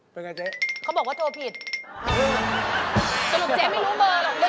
เป็นไงเจ๊เขาบอกว่าโทรผิดสรุปเจ๊ไม่รู้เบอร์หรอก